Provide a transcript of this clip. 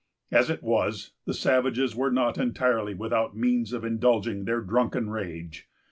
As it was, the savages were not entirely without means of indulging their drunken rage.